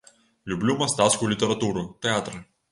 Люблю мастацкую літаратуру, тэатр.